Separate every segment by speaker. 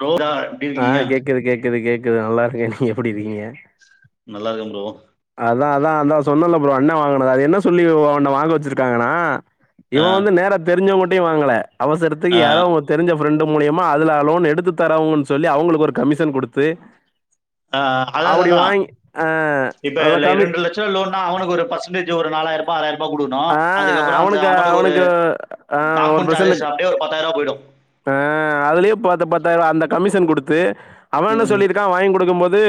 Speaker 1: Row [inaudible]
Speaker 2: ஆஹ் கேக்குது கேக்குது கேக்குது நல்லா இருக்கேன் நீங்க எப்படி இருக்கீங்க
Speaker 1: நல்லாருக்கேன் ப்ரோ
Speaker 2: அதான் அதான் அதான் சொன்னல்லல ப்ரோ அண்ணன் வாங்கினது அது என்ன சொல்லி உன்னை வாங்க வச்சிருக்காங்கன்னா இவன் வந்து நேரா தெரிஞ்சவங்கடே வாங்கல அவசரத்துக்கு யாரோ ஒரு தெரிஞ்ச ஃப்ரெண்டு் மூலியமா அதுல லோன் எடுத்து தரவங்கன்னு சொல்லி அவங்களுக்கு ஒரு கமிஷன் கொடுத்து
Speaker 1: அதான்
Speaker 2: அப்டி
Speaker 1: அதான்
Speaker 2: வாங்கி அ
Speaker 1: இப்ப இரண்டு லட்சம் லோன்னா அவனுக்கு ஒரு பர்சன்டேஜ் ஒரு நாலாயிரமோ ஆறாயிரம் ருவா கொடுக்கணும்
Speaker 2: ஆ
Speaker 1: அதுக்கப்புறம் அந்த அவனுக்கு ஒரு
Speaker 2: ஆ ஒரு
Speaker 1: டாக்குமெண்ட் சார்ஜஸ்
Speaker 2: பெர்சன்ட்டுக்கு
Speaker 1: அப்படியே ஒரு பத்தாயிரம் ரூபா போயிடும்
Speaker 2: ஆ அதுலயே பாத்து பத்தாயிரூபா அந்த கமிஷன் கொடுத்து அவன் என்ன
Speaker 1: ம்
Speaker 2: சொல்லிருக் வாங்கி கொடுக்கும் போது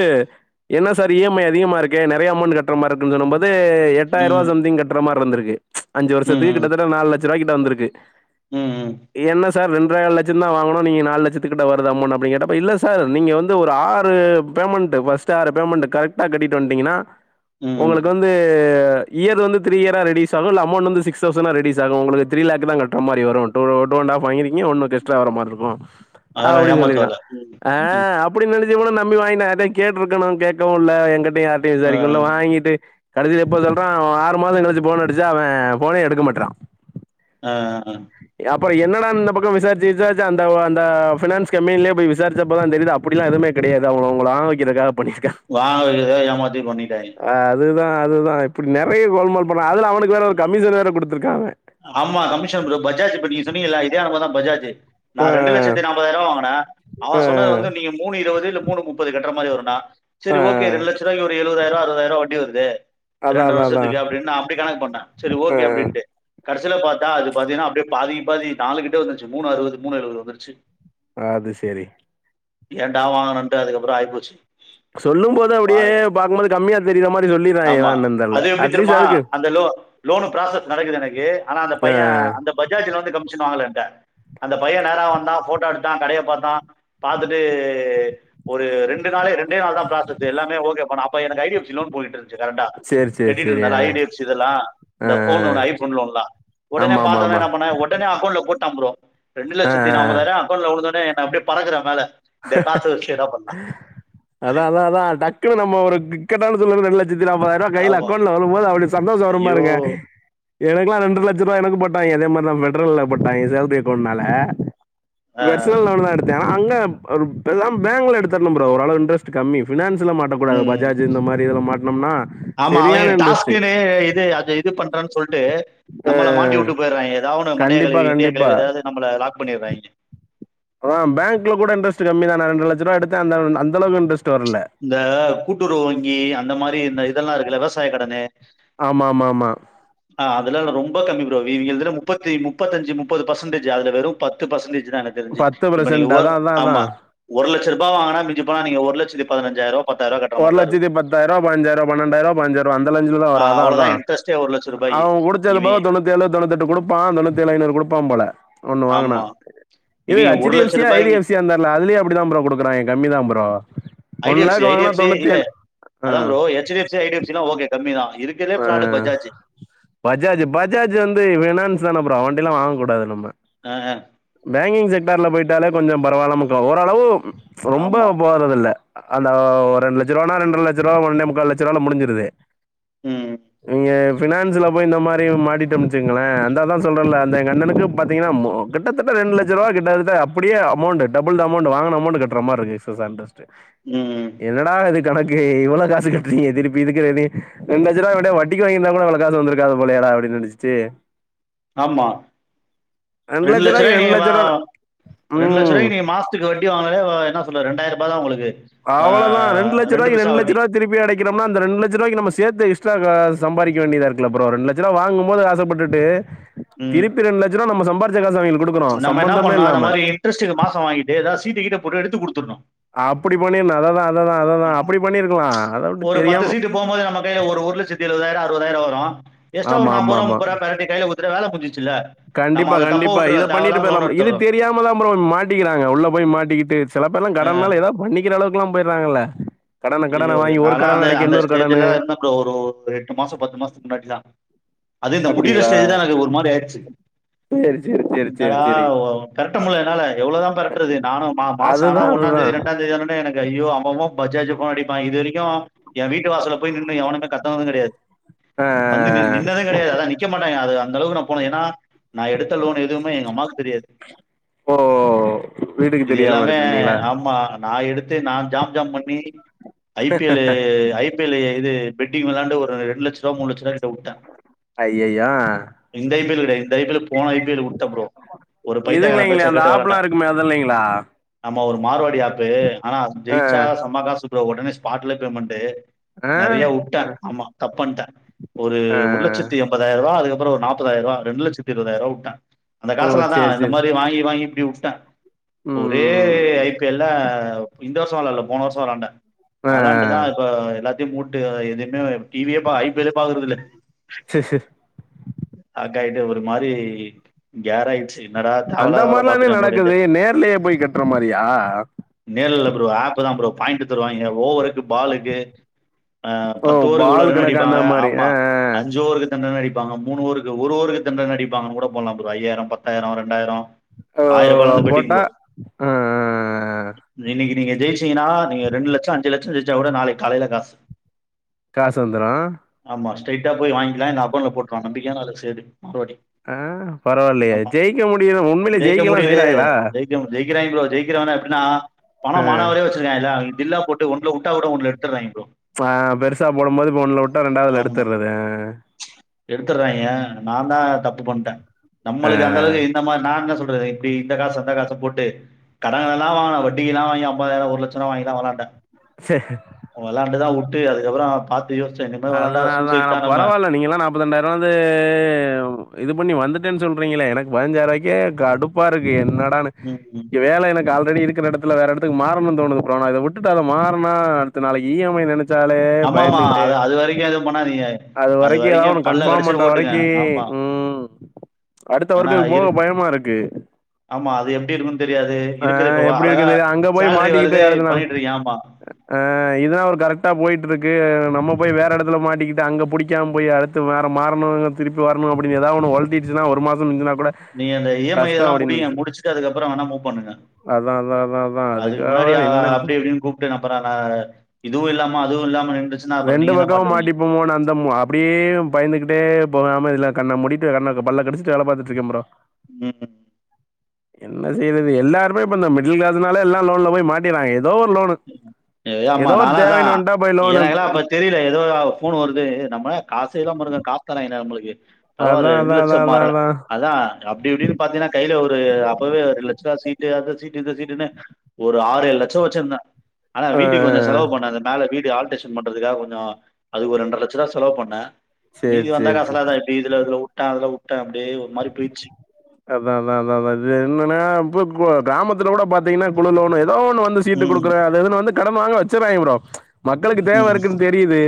Speaker 2: என்ன சார் இ எம் ஐ அதிகமா இருக்கு நிறைய அமௌண்ட் கட்டற மாரி இருக்கு சொன்னும்போது இது எட்டாயிரம் ரூபா
Speaker 1: ம்
Speaker 2: சம்திங் கட்டுற மாதிரி இருந்திருக்கு அஞ்சு வருஷத்துக்கு
Speaker 1: ம்
Speaker 2: கிட்டத்தட்ட நாலுலட்ச ரூபாய கிட்ட வந்திருக்கு
Speaker 1: ம்
Speaker 2: என்ன சார் ரெண்டே கால் லட்சம் தான் வாங்குனோ நீங்க நாலு லட்சத்து வருது அமோன்ட் அப்டி கேட்ட இல்ல சார் நீங்க வந்து ஆறு பேமெண்ட் ஃபஸ்ட் ஆறு பேமெண்ட் கரெக்ட்டா கட்டிட்டு வட்டீங்கன்னா
Speaker 1: ம்
Speaker 2: உங்களுக்கு வந்து இயர் வந்து த்ரீ இயரா ரேடிஸ் ஆகு இல்ல அமௌட் சிகஸ் தோஸண்டா ரெட்யூஸ் ஆகு உங்களுக்கு த்ரீ லேக் தான் கட்டுற மாரி வரும் ஒன்னு ஒன்னட் ஹாஃப் வாங்கிருக்கீங்க ஒன்னு எக்ஸ்ட்ரா வராமரிக்கும்
Speaker 1: அதெல்லாம்
Speaker 2: அப்டின்னு சொல்லிருக்கா
Speaker 1: ஏமாத்துவால ம்
Speaker 2: அ
Speaker 1: ம்
Speaker 2: அப் அப்படி நினைச்ச கூட நம்பி வாங்கின அத கேட்டு இருக்கணும் கேவும் இல்ல எங்கிட்டய யாரிட்டையும்
Speaker 1: ஆ
Speaker 2: விசாரிக்கவும் இல்ல வாங்கிட்டு கடைசியில எப்போ சொல்றான் ஆறு மாசம் கழிச்சு போன் அடிச்சா அவன் போனே எடுக்க மாட்டறான்
Speaker 1: ஆங்
Speaker 2: அப்புற என்னடா இந்த பக்கம் விசாரிச்சு விசாரிச்ச அந்த அந்த ஃபினான்ஸ் கம்பனியிலய விசாரிச்சப்ப தான் தெரியுது அப் அப்படிலாம் எதுமே கிடையாது அவங்களை ஆ அழ வக்கிறதுக்காக பண்ணிருக்கா
Speaker 1: [unintelligible] [unintelligible]
Speaker 2: ஆ அது தான் அதுதான் இப்படி நிறைய கோல்முல் பண்றான் அதுல அவனுக்கு வேற ஒரு கமிஷன் வேற கொடுத்துருக்கா அவேன்
Speaker 1: ஆமா கமிஷன் ப்ரோ பஜாஜ் இப்ப நீங்க சொன்னீகல்ல இதே நிலமதான் தான் பஜாஜ் நான் ரெண்டு லட்சத்
Speaker 2: ஆ
Speaker 1: நாப்பது இடோ வாங்கன அவ சொன்னது வந்து
Speaker 2: ஆ
Speaker 1: நீங்க மூணு இறுவது இல்ல மூணு முப்பது கட்ற மாதிரி வருனா செரி
Speaker 2: ஆ
Speaker 1: ஓகே ரெண்டு லட்ச்ருபாய்க்கு ஒரு எழுபதாயிரபா அறுபதாயிர ரூபா வட்டி வருது
Speaker 2: அதான்
Speaker 1: ரெண்டு
Speaker 2: அதான் அதான்
Speaker 1: வருஷத்துக்கு அப்டினு அப்டி கணக் பண்ண செரி ஓகே அப்டின்ட்டு கடைசியில பாத்தா அது பாத்தீங்கானா அப்டியே பாதிக்கு பாதி நாலு கிட்டே வந்துச்சு மூணு அறுவது மூணு அறுவது வந்துச்சு
Speaker 2: அது சேரி
Speaker 1: ஏன்டா வாங்கோன்ட்டு அதுக்கப்றோ ஆயிப்போச்சு
Speaker 2: சொல்லு போது அப்டியே
Speaker 1: வாய்
Speaker 2: பாக்குபோது கம்மியா தெறிர மாதிரி சொல்லிறாங்லா
Speaker 1: ஆமா
Speaker 2: ஏன்னானு தெர்ல
Speaker 1: அது எப்படி
Speaker 2: அட்லீஸ்ட்
Speaker 1: தெரியுமா
Speaker 2: அதுக்கு
Speaker 1: அந்த லோ லோனு பராசஸ் நடக்குது எனக்கு ஆனா அந்த
Speaker 2: ஆ
Speaker 1: பைய அந்த பஜாஜ்ல இருந்து கமிஷன் வாங்கல எங்கிட்ட அந்த பைய நேரா வந்தா போட்டோ எடுத்தா கடைய பாத்தா பாத்துட்டு ஒரு ரெண்டு நாள் ரெ ண்டே நாள் தா பராசஸ் எல்லாமே ஓகே பண்ணோ அப்ப எனக்கு ஐடி எப் சி லோன் போயிட்டுறுது கரெக்டா
Speaker 2: சேரி சேரி
Speaker 1: கட்டிட்டு
Speaker 2: சேரி
Speaker 1: இருந்தால
Speaker 2: ஆ
Speaker 1: ஐ டி எ ப் ஸ் இதெல்லா
Speaker 2: ஆ
Speaker 1: இந்த போன் ஒன்னு ஐபோன்ல ஒன்ல உடனே
Speaker 2: ஆமா ஆமா
Speaker 1: பாத்தோனே
Speaker 2: ஆமா
Speaker 1: என்ன பண்ண உடனே அக்கௌண்ட்ல போட்டா ப்ரோ ரெண்டு
Speaker 2: ஆ
Speaker 1: லட்சத்தி
Speaker 2: ஆ ஆ
Speaker 1: நாற்பதாயிர அக்கௌண்ட்ல விழுந்தோனே நா அப்டியே பறக்ற மேல இந்த காசு வச்சு என்ன பண்லா
Speaker 2: அதா அதா அதா டக்குனு நம்ம ஒரு இக்கெட்டான சூல்நிலைல இந்த நாப்பதாயிரோ திடிர்னு கையில
Speaker 1: ஆமா
Speaker 2: அக்கௌண்ட்ல வருபோது அப்டி சந்தோஷோ
Speaker 1: ஐயோ
Speaker 2: வருபாருங்க எனக்குெல்லா ரெண்டு லட்ச ரூபாய் எனக்கு போட்டாங்க அதே மாதிரிதா பெஃபடரல்ல போட்டாங்க சேலரி அக்கௌண்ட்னால
Speaker 1: ஆஹ்
Speaker 2: பெர்சனல் லோன் தா எடுத்தே அங்க பேசாம பேங்க்ல எடுத்தனு ப்ரோ ஓரளவு இன்ட்ரெஸ்ட் கம்மி பினான்ஸ்ல மாட்டக்கூடாது
Speaker 1: உம்
Speaker 2: பஜாஜ் இந்த மாரி இதுல மாட்டோனோம்னா
Speaker 1: ஆமா அவங்க டாஸ்களே இது அது இது பண்றனு சொலிட்டு
Speaker 2: ஆ
Speaker 1: நம்மள மாட்டி விட்டு போயிறாங்க ஏதாவது ஒன்னு மண்டைய
Speaker 2: கண்டிப்பா
Speaker 1: கழுவி கிண்டைய
Speaker 2: கண்டிப்பா
Speaker 1: கழுவி ஏதாவது நம்மல லாக் பண்ணிட்றாய்ங்க
Speaker 2: ஆ பேங்க்ல கூட இன்ட்ரெஸ்ட் கம்மி தானா ரெண்டு லட்ச ரூவா எடுத்தே அந் அந்தளவு இன்ட்ரெஸ்ட் வரல
Speaker 1: இந்த கூட்டுற வங்கி அந்த மாரி இந்த இதெல்லா இருக்குல்ல இந்த விவசாய கடனு
Speaker 2: ஆமா ஆமா ஆமா
Speaker 1: அ அதலா ரொம்ப கம்மி ப்ரோ இவங் இவங்க இதுல முப்பத்த முப்பத்தஞ்சு முப்பது பர்சன்டேஜ் அதுல வெறு பத்து பர்சன்டேஜ் தா எனக் தெரிஞ்சு
Speaker 2: பத்து
Speaker 1: இப்ப நீங்க
Speaker 2: பர்சன்ட்
Speaker 1: ஒர்
Speaker 2: அதான் அதான்
Speaker 1: ஆமா
Speaker 2: அதான்
Speaker 1: ஒர் லட்ச ரூபா வாங்கானா மி்ஞ்சி போனா நீங்க ஒருலட்சத்து பதினஞ்சாயிருவா
Speaker 2: ஒரு லட்சத்தி பத்தாயிரோ பதினஞ்சாயிரோ பன்னென்டாயிரோ பதினஞ்சாயிருபா அந்த ரேஞ்லதா வரு அதா அதா
Speaker 1: இன்ட்ரெஸ்ட்யே ஒரு லட்சரூபா
Speaker 2: அவ புடிச்சதுபோக தொண்ணூத்தேலு தொண்ணூத்தி எட்டு குடுப்பா தொண்ணூத்தி ஏழு ஐநூறு குடுப்பா போல ஒன்று வாங்கினான்
Speaker 1: ஆமா
Speaker 2: இது
Speaker 1: இவிங்க
Speaker 2: ஹச்
Speaker 1: ஒரு
Speaker 2: டி எப்
Speaker 1: லட்ச
Speaker 2: சி யா ஐ டி
Speaker 1: ரூபாய்க்கு
Speaker 2: எப் சி யானு தெர்ல அதுலையு அப்டிதா குடுக்குறாங்க கம்மி தா bro
Speaker 1: I D
Speaker 2: one
Speaker 1: F C
Speaker 2: lakh
Speaker 1: I D
Speaker 2: வாங்கினா
Speaker 1: எப் சி
Speaker 2: தொண்ணூத்தி
Speaker 1: இல்ல
Speaker 2: ஏழு ஆ,
Speaker 1: அதா bro H D F C I D F C okay கம்மி தா இதுக் இருக்றதுலே
Speaker 2: ஆ.
Speaker 1: பிராடு பஜாஜ்
Speaker 2: பஜாஜ் பஜாஜ் வந்து பினான்ஸ் தான ப்ரோ அவன்ட எல்லா வாங்க கூடாது நம்ம
Speaker 1: ஆ
Speaker 2: பேங்கிங் செக்டர்ல போயிட்டாலே கொஞ்சோ பரவாயில்லாம இருக்கு ஓரளவு ரொம்ப
Speaker 1: ஆமா
Speaker 2: போறது இல்ல அந்த ஒரு ரெண்டு லட்ச ரூவானா ரெண்டரை லட்ச ரூபா ஒன்னே முக்கால் லட்ச ரூபால முடிஞ்சிருது
Speaker 1: ம்
Speaker 2: நீங்க பினான்ஸ்ல போய் இந்த மாரி மாடிட்டோனு வச்சுக்கோங்ளே அதாதா சொல்றேல அந்த எங்க அண்ணனுக்கு பாத்தீங்கனா கிட்டத்தட்ட ரெண்டு லட்சம் ரூபா கிட்டதட்ட அப்டியே அமௌண்ட் டபுள் அமௌண்ட் வாங்கன அமௌண்ட் கட்ற மாறி இருக்கு ஃபஸ்ட்
Speaker 1: ம்
Speaker 2: என்னடா இது கணக்கு இவ்ளோ காசு கட்டுறீங்க திருப்பி இதுக்கறது இரண்டு லட்ச ரூபா வட்டிக்கு வாங்கிருந்தா கூட இவ்ளோ காசு வந்திருக்கா போலையட அப்டினு நெனச்சிட்டு
Speaker 1: ஆமா ரெண்டு லட்ச ரூபாய நீ மா ரெண்டு லட்ச
Speaker 2: ம்
Speaker 1: ரூபாயி நீ மாச த்க்கு வட்டி வாங்குனாலே என்ன சொல்ற ரெண்டாயிர ரூப தா உங்களுக்கு
Speaker 2: அவ்ளதா
Speaker 1: ஆஹ்,
Speaker 2: ரெண்டு லட்ச ரூபாய்க்கு
Speaker 1: பைசா
Speaker 2: ரெண்டு லட்ச
Speaker 1: வட்டி
Speaker 2: ரூவா திருப்பி அடைக்கனும்னா அந்த ரெண்டு லட்ச ரூாவாயிக்கு நம்ம சேத்து எக்ஸ்ட்ரா அ சம்பாரிக்க வேண்டியதா இருக்குல்ல ப்ரோ ரெண்டு ல வாங்கும் போது ஆசைப்பட்டுட்டு
Speaker 1: ம்,
Speaker 2: திருப்பி ரெண்டு லட்சம் ரூவா நம்ம சம்பாதிச்ச காச அவிங்களுக்கு குடு க்கணு சம்பந்தமே இல்லாம
Speaker 1: இன்ட்ரெஸ்ட் மாசம் வாங்கிட்டு ஏதாவ சீ கீட்ட போட்டு எடுத்து குடுத்துடணு
Speaker 2: அப்டி பண்ணிருன அததா அததா அததா அப்புடி பண்ணிருக்கலா அதை விட்டு தெரியாம
Speaker 1: போம்போது நம் கையில ஒரு ஒரு லட்சத்தி எழுபதாயிரோ அறுபதாயிரோ வரு எக்ஸ்ட்ரா ஒரு
Speaker 2: ஆமா, ஆமா,
Speaker 1: நாற்பதுரூவா
Speaker 2: ஆமா.
Speaker 1: முப்பது ரூவா பெரட்டி கையில கு டுத்தா வேல முடிஞ்சிருச்ல்ல நம்ம
Speaker 2: கண்டிப்பா,
Speaker 1: அத தப்ப
Speaker 2: கண்டிப்பா.
Speaker 1: வுட்டு
Speaker 2: இத பண்ணிட்டு போயிரமில் இது தெரி யாம தான் ப்ரோ மாட்டிக்கிறாங்க உள்ள போய் மாட்டிக்கிட்டு சில பேர் எல்லா கடனால ஏதது பண்ணிக்கிற அளவுக்கு ல்லாம் போயறாங்கல்ல கடன கடன வாங்கி ஒரு கடன அடைக்க இன்னொரு கடன்னு
Speaker 1: ப்ரோ ஒரு ஒரு எட்டு மாசோ பத்து மாசத்துக்கு முன்னாடி தா அது இந்த முடியிற ஸ்டேஜ் தா எனக்கு ஒரு மாரி ஆயிச்சி
Speaker 2: செரி செரி செரி
Speaker 1: என்னடா ஒ கரட்ட முல என்னால எவ்வளோதா பெரட்டுறது நானு மா மாசோ ஆனா
Speaker 2: அதுதான்,
Speaker 1: ஒன்னா தேதி
Speaker 2: அதுதான்.
Speaker 1: ரெண்டா தேதி ஆனாவுடனே எனக்கு ஐயோ அவ அவ பஜாஜு போன் அடிப்பா இது வரக்கும் எ வீட்டு வாசல போய் நின்னு எவனுமே கத்னதுங் கெடயாது
Speaker 2: ஆ
Speaker 1: வந்து நி நின்னது கெடையாது அதா நிக்க மாட்டாங்க அது அந்த அளவுக்கு போனே ஏன்னா நா எடுத்த லோன் எதுமே எங்க அம்மாக்கு தெரியாது
Speaker 2: ஓ வீட்டுக்கு
Speaker 1: இது
Speaker 2: தெரியாம
Speaker 1: எல்லாமே
Speaker 2: எடுத்திருந்தீங்களா
Speaker 1: ஆமா நா எடுத்து நா ஜாம் ஜாம் பண்ணி I P L I P L இது பெட்டிங் விளாண்டு ஒரு ரெண்டு லட்ச ரூபா மூண லட்ச ரூபா கிட்ட வுட்டே
Speaker 2: ஐய்யயா
Speaker 1: எந்த ஐ பி எல் கெடயாது இந்த ஐ பி எல்க்கு போன ஐ பி எல் வுட்ட ப்ரோ ஒரு
Speaker 2: இதுங்கள
Speaker 1: பைத்தகாரா
Speaker 2: இல்லைங்களே
Speaker 1: பேச்ச
Speaker 2: அந்த
Speaker 1: கேட்டு வெளாண்ட
Speaker 2: ஆப்லா இருக்குமே அது இல்லைங்களா
Speaker 1: ஆமா ஒரு மார்வாடி ஆப்பு ஆனா
Speaker 2: ஆ
Speaker 1: ஜெயிச்சா செம காசு உடனே ஸ்பாட்ல பேமண்ட்டு
Speaker 2: ஆ
Speaker 1: நெறய வுட்டே
Speaker 2: ஆ
Speaker 1: ஆமா தப்பன்ட்டே ஒரு
Speaker 2: ஆ
Speaker 1: ஒரு லட்சத்து எம்தாயிரோ ரூபா அதுக்கப்றோ ஒரு நாப்பதாயிர ரூபா ரெண்டு லட்சத்தி இருவதாயிற ரூபா வுட்டே அந்த
Speaker 2: ஓ
Speaker 1: காசெல்லா தா
Speaker 2: சேரி
Speaker 1: இந்த
Speaker 2: சேரி
Speaker 1: மாரி வாங்கி வாங்கி இப்டி வுட்டே ஒரே
Speaker 2: ம்
Speaker 1: ஐ பி எல்ல இந்த வருஷோ வெளயாடல போன வருஷோ வெளண்ட
Speaker 2: ஆ
Speaker 1: வளாண்டுதா இப்ப எல்லாத்தயு மூட்டு எதயுமே டி வியே பா ஐ பி எல்லே பாக்குறது இல்ல
Speaker 2: செர் செர்
Speaker 1: ஆக்காயிட்டு ஒரு மாரி கேராயிச்சி
Speaker 2: அந்த மாரிலானே நடக்குது நேர்லயே போய் கட்ற மாரியா
Speaker 1: நேரல ப்ரோ ஆப் தா ப்ரோ பாயிண்ட் தருவாயிங்க ஓவருக்கு பாலுக்கு ஆ
Speaker 2: ஓ
Speaker 1: பத்து ஓவருக்கு இவ்ளோ
Speaker 2: பால்
Speaker 1: ரன்
Speaker 2: கணக்கு அந்த
Speaker 1: அடிப்பாங்க
Speaker 2: மாரி
Speaker 1: ஆமா
Speaker 2: ஆ
Speaker 1: அஞ்ச ஓவருக்கு தண்டன அடிப்பாங்க மூணு ஓவருக்கு ஒரு ஓவருக்கு தண்டன அடிப்பாங்கன்ன கூட போடலா ப்ரோ ஐயாயிரோ பத்தாயிரோ ரெண்டாயிரோ
Speaker 2: ஓ போட்டா ஆ ஆ
Speaker 1: இன்னக்கி நீங்க ஜெயிச்சீங்கன்னா நீங்க ரெண்டு லட்சோ அஞ்சி லட்சோ ஜெயிச்சா கூட நாளக்கி காலைல காசு
Speaker 2: காசு வந்துரு
Speaker 1: ஆமா ஸ்ரேட்டா போய் வாங்கிக்கலா இல்ல அக்கோண்ட்ல போட்டுவா நம்பிக்கயான ஆளு சேட்டு மாருவாடி
Speaker 2: ஆ பரவால்லயே ஜெயிக்க முடியுது உண்மையிலே ஜெயிக்கலா செய்றாங்களா
Speaker 1: யும் ஜெயிக்றாங்க ப்ரோ ஜெயிக்கிறவங்க எப்டினா பணோ மானாவாரியா வெச்சிருக்காயிங்கால்லா அவிங்க தில்லா போட் ஒன்ல வுட்டா கூட ஒன்ல எடுத்துறாய்ங்க ப்ரோ
Speaker 2: ஆ பெருசா போடும் போது இப்ப ஒன்ல விட்டா ரெண்டாவதுல எடுத்துட்றது
Speaker 1: எடுத்துறாய்ங்க நா தா தப்பு பண்ட்டே
Speaker 2: ஆ
Speaker 1: நம்மளுக்கு அந்த அளவுக்கு இந்த மாரி நா என்ன சொல்றது இப்டி இந்த காசு அந்த காச போட்டு கட கார ல்லா வட்டியல்லா வாங்கி அம்பதாயிரோ ஒரு லட்சோலா வாங்கி தா வெளாண்டே
Speaker 2: சே
Speaker 1: அவங்க எல்லா அப்டி தா வுட்டு அதுக்கப்புறோ பா
Speaker 2: அதுதா அதா ஆனா பரவாயில்ல நீங்களா நா இப்ப ரெண்டாயிரம் வந்து இது பண்ணி வந்துட்டேன்னு சொல்றீங்களே எனக்கு பதினஞ்சாயிரவாய்க்கே கடுப் ப்பா இருக்கு என்னடான்னு
Speaker 1: ம்.
Speaker 2: இங்க வேல எனக் இங்க ஆல்ரெடி இருக்கற எடத்துல வேற எடத்துக்கு மாறணு தோணுது ப்ரோ ஆனா இத விட்டுட்டு அத மாறனா அடுத்து நாளைக்கி இ எம் ஐ ல என்ன நெனச்சாலே பயந்துட்டே
Speaker 1: நீங்க எதும் பண்ணாதிங்க
Speaker 2: அது வரைக்கு ஏதாவது ஒன்னு கன்ஃபார்ம் பண்ற வரைக்கி
Speaker 1: ஆமா
Speaker 2: ம் அடுத்த
Speaker 1: ஏன்னா
Speaker 2: ஒர்க்குக்கு
Speaker 1: இரு
Speaker 2: போக பயமா இருக்கு
Speaker 1: ஆமா அது எப்டி இருக்குன் தெரியாது
Speaker 2: அ
Speaker 1: இருக்குது இப்ப
Speaker 2: எப்படி
Speaker 1: அழகா
Speaker 2: இருக்குன்னு தெரியாது.
Speaker 1: சேல்ரி வருது பண்ணிட்டு இருக்கேம்பா
Speaker 2: ஆ இதா ஒரு கரெக்டா போயிட்டு இருக்கு நம்ம போய் வேற எடத்துல மாட்டிக்கிட்டு அங்க புடிக்காம் போய் அத து வேற மாறணு இங்க திருப்பி வரணு அப்டின்னு ஏதா ஒன்னு உழ்த்திட்ச்சுன்னா ஒரு மாசன் மின்சினா கூட
Speaker 1: நீங்க அந்த இ எம் ஐ
Speaker 2: கஷ்டோ
Speaker 1: இதுல்லா
Speaker 2: அப்டின்னு
Speaker 1: முடிங்க
Speaker 2: இருந்துச்சு
Speaker 1: முடிச்சுட்டு அதுக்கப்புறோ வேனா முவ் பண்ணுங்க
Speaker 2: அதா அதா அதா அதா
Speaker 1: அதுக்கு
Speaker 2: அதுக்காக
Speaker 1: முன்னாடி ஆ
Speaker 2: என்னன்னு
Speaker 1: அப்டி இப்டின்னு கூப் டு எதனா பண்ணாங்னா இதுவு இல்லாம அதுவு இல்லாம நிண்டு
Speaker 2: ரெண்டு பக்கோ மாட்டிப் போமுன்னு அந்த மு அப்டியே பயந்துக்கிட்டே போகாம இல்ல கண்ண மூடிட்டு கண்ண பல்ல கடிச்சுட்டு வேல பாத்துட்ருக்கே ப்ரோ
Speaker 1: ம்
Speaker 2: என்ன செய்றது எல்லாருமே இப்ப இந்த மிடில் கிளாஸ்னால எல்லா லோன்ல போய் மாட்டிறாங்க ஏதோ ஒரு லோனு
Speaker 1: எ
Speaker 2: ஏதோ ஒரு தேவைணு வந்ட்டா போய் லோனு
Speaker 1: தெரியில ஏதோ ஆ ஃபோன் வருது நம்ம காசே இல்லாம இருந்தோ காசு தராங்கடா நம்மளுக்கு
Speaker 2: அதா
Speaker 1: பரவாயில்லயே
Speaker 2: அதா
Speaker 1: ரெண்டு
Speaker 2: அதா
Speaker 1: லச்ச
Speaker 2: அதா
Speaker 1: மாற அதா அப்டி இப்டின்னு பாத்தீங்கன்னா கையில ஒரு அப்பவே ஒரு லட்ச ரூவா சீட்டு அந்த சீட்டு் இந்த சீட்டுன்னு ஒரு ஆறு ஏழு லட்ச வெச்சுருந்தே ஆனா
Speaker 2: ஆ
Speaker 1: வீட்டுக்கு கொஞ்ச செலவு பண்ணாங்கன் மேல வீடு ஆல்ட்ரேஷன் பண்றதுக்காக கொஞ்ச அதுக்கு ஒரு ரெண்டர லட்ச ருவா செலவு பண்ணே
Speaker 2: சேரி
Speaker 1: மீதி வந்த
Speaker 2: சேரி
Speaker 1: காசெல்லா
Speaker 2: சேரி
Speaker 1: தா இப்பி இதுல இதுல வுட்டே அதுல வுட்டே அப்டி ஒரு மாரி போயிடுச்சு
Speaker 2: அதா அதா அதா அதா இது என்னன்னா இப்ப [unintelligible] கிராமத்துல கூட பாத்தீங்கன்னா இவ்ளோ லோனு ஏதோ ஒண்ணு வ ந்து சீட்டு
Speaker 1: ம்.
Speaker 2: கொடுக்குறே அது இதுன் வந்து கடன் வாங்க வெச்சுறாய்ங்க ப்ரோ மக்களுக்கு தேவ
Speaker 1: ம்.
Speaker 2: இருக்குன் தெரியுது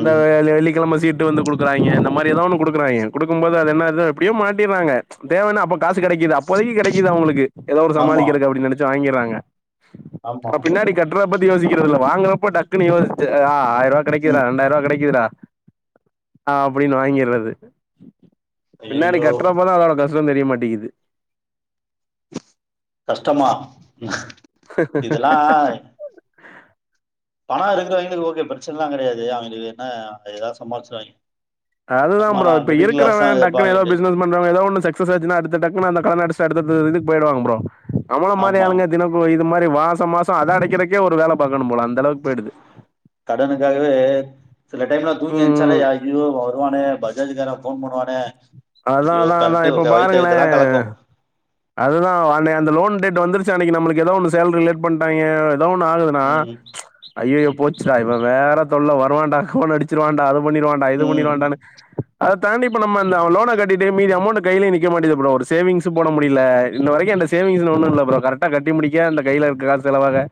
Speaker 2: இந்த வெள்ளிக்கெழம சீட்டு வந்து குடுக்குறாங்க இந்த மாரி ஏதா ஒன்னு கொடுக்குறாய்ங்க கொடுக்கும்போது அது என்ன அது அப்டியோ மா ட்டிறாங்க தேவன்னு அப்ப காசு கெடைக்குது அப்போதைக்கு கெடைக்குது அவங்களுக்கு ஏதோ ஒரு
Speaker 1: ஆமா,
Speaker 2: சமாளிக்கிறக்கு அப்டினு நெனச் சு வாங்கிறாங்க
Speaker 1: ஆமா.
Speaker 2: அ பின்னாடி கட் ட்ற பத்தி யோசிக்கிறது இல்ல வாங்கிறப்ப டக்குனு யோசிச்சு ஆ ஆயிர ரூபா கெடைக்குதுடா ரெண்டாயிரூபா கெடைக்குதுடா ஆ அப்டின்னு வாங்கிடுறது பின்னாடி
Speaker 1: ஐயய்யோ!
Speaker 2: கட் ரதோட கஷ்ட தெரிய மாட்டேக்குது
Speaker 1: கஷ்டமா இதெல்லா பண இருங்கிறவங்களுக்கு ஓகே பிரச்சன எல்லா கெடையாது அவங்களுக்கு என்ன எதா சம்பாளிச்சுருவாங்க
Speaker 2: அதுதா ப்ரோ இப்ப இருக்குறவ
Speaker 1: இத
Speaker 2: டக்குனு ஏதா
Speaker 1: வாங்கிட்டு
Speaker 2: பிசினஸ் பண்றங்க ஏதோ ஒன்னு சக்ஸஸ் ஆச்சுன்னா அடுத்து டக்குனு அந்த கடன அடச்டு அடுத்த அடுத்த இதுக்கு போய்டுவாங்க ப்ரோ நம்மள மாரி
Speaker 1: ஆமா
Speaker 2: ஆளுங்க தினம் ப்ரோ இது மாரி மாச மாச அத அடைக்கிறக்கே ஒரு வேல பாக்கனும் போல அந்த அளவு
Speaker 1: கடனுக்காகவே சில டைம்ல தூங்கி எந்துச்சாலே
Speaker 2: ம்
Speaker 1: யா ஐயோ இவ வருவானே பஜாஜ் கார ஃபோன் பண்ணுவானே
Speaker 2: அதான்
Speaker 1: ஐயோ
Speaker 2: அதான் அதான்
Speaker 1: பரெட்டு வயத்த கீதலா கலக்கு
Speaker 2: அதுதா அந்த அந்த லோன் டேட் வந்துருச்சு அன்னைக்கு நம்மளுக்கு ஏதோ ஒன்னு சேலரி லேட் பண்ட்டாங்க ஏதா ஒண்ணு ஆகு நா
Speaker 1: ம்
Speaker 2: ஐயயோ போச்சுடா இப்ப வேற தொல்ல வருவாண்டா ஃபோன் அடிச்சிருவாண்டா அது பண்ணிருவாண் டா இது
Speaker 1: ம்
Speaker 2: பண்ணிருவாண்டான்னு அத தாண்டிப் இப்ப நம்ம அந்த லோன கட்டிட்டு மீதி அமௌண்ட் கையிலயே நிக்க மாட்டது ப்ரோ ஒரு சேவிங்ஸ் போட முடியில இந்த வரைக்கு எந்த சேவிங்கஸ்ல ஒன்னு இல்ல ப்ரோ கரெக்டா கட்டி முடிக்க அந்த கைல இருக்க காசு செலவாக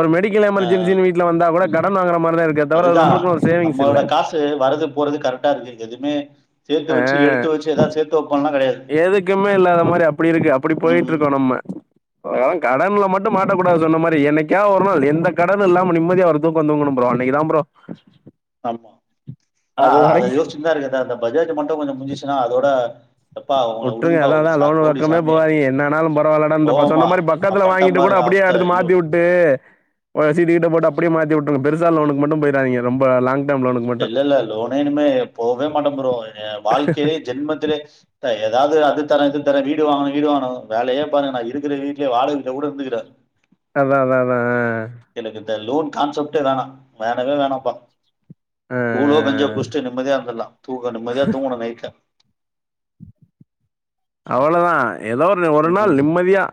Speaker 2: ஒரு மெடி க்கல் எமர்ஜெசின் வீட்ல வந்தா கூட கடன் வாங்குற மாரிாதா இருக்கே தவிர நம்மளுக்கு ஒரு சேவிங்ஸ் இல்ல
Speaker 1: கு வரது போறது கரெக்டா இருக்கு எனக்கு எதுவுமே சேத்து
Speaker 2: ஆ,
Speaker 1: வெச்சு எடுத்து வெச்சு ஏதாது சேத்து வைப்போன்லா கெடையாது
Speaker 2: எதுக்குமே இல்லாத மாரி அப்டி இருக்கு அப்டி போயிட்டு
Speaker 1: ம்
Speaker 2: இருக்கோ நம்ம ஆ கடன்ல மட்டு மாட்டக் கூடாது சொன்ன மாரி எனக்கா ஒரு நாள் எந்த கடன் இல்லாம நிம்மதிய அவ தூக்கோ தூங்கணும் ப்ரோ அன்னைக்கு தா ப்ரோ
Speaker 1: ஆமா அனா
Speaker 2: அது
Speaker 1: அத அத
Speaker 2: வரைக்கு
Speaker 1: யோசிச்சுதா இருக்குது அந்த பஞ்சாயத்து மட்டு கொஞ்சோ முஞ்சச்சுன்னா அதோட எப்பா உங்கள
Speaker 2: உட்ருங்க
Speaker 1: உடுங்கப்பா
Speaker 2: அத
Speaker 1: ஒரு
Speaker 2: தான்
Speaker 1: சா
Speaker 2: லோன்
Speaker 1: கோடி
Speaker 2: பக்கமே
Speaker 1: சாமி
Speaker 2: போகாதீங்க என்னாலும் பரவால்லடா சொன்ன
Speaker 1: கோவமா
Speaker 2: மாதிரி
Speaker 1: நா
Speaker 2: பக்கத்துல
Speaker 1: பட்டம்
Speaker 2: வாங்கிட்டு கூட
Speaker 1: பாருங்க
Speaker 2: அப்டியே
Speaker 1: அவஸ்த
Speaker 2: அடுத்து
Speaker 1: ஐயோ
Speaker 2: மாத்திவிட்டு ட்டு சீட்டு கிட்ட போட்டு அப்டியே மாத்தி விட்ருங்க பெருசா லோன்னுக்கு மட்டு போய்ராதீங்க ரொம்ப லாங்க்
Speaker 1: இல்ல இல்ல லோனே இனுமே போகவே மாட்டோ ப்ரோ வாழ்க்கையிலே ஜென்மத்திலே இல்ல ஏதாவது அது தர இது தர வீடு வாங்கனு வீடு வாங்கனு வேலையே பாருங்க நான் இருக்கற வீட்லயே வாடக வீட்ல கூட இருந்துக்கற
Speaker 2: அதா அதா அதா அ
Speaker 1: எனக்கு இந்த லோன் கான்செப்ட்டே வேணா வேணவே வேணாம்பா
Speaker 2: ஆ
Speaker 1: கூலோ கஞ்சோ குட்சுட்டு நிம்மதியா இருந்தர்லா தூங்க நிம்மதியா தூங்கணு நைட்ல
Speaker 2: அவ்ளோதா எதோ ஒரு ஒரு நாள்
Speaker 1: ம்
Speaker 2: நிம்மதியா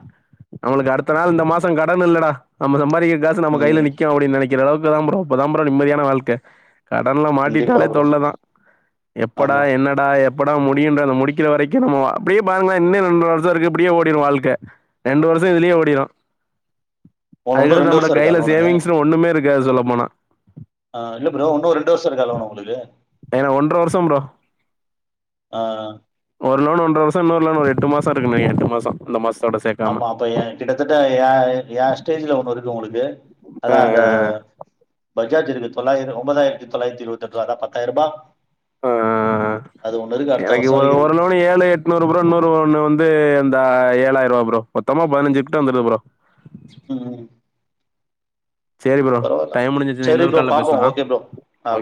Speaker 2: அவங்ளுக்கு அடுத்த நாள் இந்த மாசோ கடன் இல்லடா நம்ம சம்பாதிக்கிற காசு நம்ம கைல
Speaker 1: ம்
Speaker 2: நிக்கு அப்டின் நெனைக் கிற அளவுக்கு தா ப்ரோ அப்பதா ப்ரோ நிம்மதியான வாழ்க்க கடன்ல
Speaker 1: கண்டிப்பா
Speaker 2: மாட்டிட்டாலே
Speaker 1: ப்ரோ
Speaker 2: தொல்ல தா எப்படா
Speaker 1: ஆமா
Speaker 2: என்ன டா எப்படா முடியுன்ற முடிக்கிற வரைக்கு நம்ம இப்டியே பாருங்களே இன்னு ரெண்டு வருஷோ இருக்கு இப்டியே ஓடிரு வாழ்க்க ரெண்டு வருஷோ இதுலயே ஓடிரு
Speaker 1: உங்களுக்கு இன்னு
Speaker 2: அதுக்கடுத்து
Speaker 1: ரெண்டு
Speaker 2: நம்மட்ட
Speaker 1: வருஷோ இருக்கா
Speaker 2: கைல
Speaker 1: லோனு
Speaker 2: சேவிங்ஸ்னு ஒண்ணுமே இருக்காது சொல்ல போனா
Speaker 1: ஆ இல்ல ப்ரோ இன்னு ரெண்டு வருஷோ இருக்கா லோன் உங்ளுக்கு
Speaker 2: ஏனா ஒன்ற வருஷோ ப்ரோ
Speaker 1: ஆ
Speaker 2: ஒரு லோன் ஒன்ற வருஷோ இன்னொரு லோன் ஒரு எட்டு மாசோ இருக்கு நெனைக்கற எட்டு மாசோ இந்த மாசத்தோட சேத்
Speaker 1: ஆமா அப்போ ஏ கிட்டத்தட்ட ஏ ஏ ஸ்டேஜ்ல ஒண்ணு இருக்கு உங்களுக்கு
Speaker 2: ஆ,
Speaker 1: அதா அந்த பஜாஜ் இருக்கு தொள்ளாயிரோ ஒன்பதாயிரத்தி தொள்ளாயிரத்தி இருபத்தெட் ருபா அதா பத்தாயிர ரூபா
Speaker 2: ஆ
Speaker 1: அது ஒண்ணு இருக்கு அடுத்த
Speaker 2: எனக்கு
Speaker 1: வருஷம்
Speaker 2: ஒரு
Speaker 1: வரைக்கும்
Speaker 2: ஒரு
Speaker 1: இருக்கு
Speaker 2: லோன் ஒன்னு ஏழு எட்நூறு ப்ரோ இன்னோரு ஒண்ணு வந்து இந்த ஏழாயிர ருபா ப்ரோ மொத்தமா பதினஞ்சு கிட்ட வந்துருது ப்ரோ
Speaker 1: ம்
Speaker 2: சேரி ப்ரோ
Speaker 1: பரவாயில்ல
Speaker 2: டைம் முடிஞ்சிருச்சி
Speaker 1: சரி
Speaker 2: இன்னொரு
Speaker 1: ப்ரோ
Speaker 2: கால்ல பேசலா
Speaker 1: பாப்போம் ஓகே ப்ரோ ஆ